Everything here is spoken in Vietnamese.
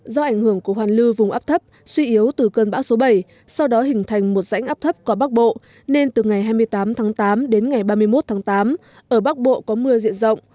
do ảnh hưởng của hoàn lưu vùng áp thấp suy yếu từ cơn bão số bảy sau đó hình thành một rãnh áp thấp qua bắc bộ nên từ ngày hai mươi tám tháng tám đến ngày ba mươi một tháng tám ở bắc bộ có mưa diện rộng